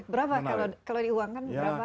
berapa kalau di uang kan berapa